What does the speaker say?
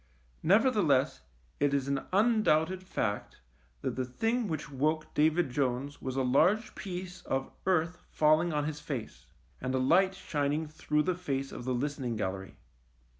Nevertheless it is an undoubted fact that the thing which woke David Jones was a large piece of earth fall ing on his face, and a light shining through the face of the listening gallery.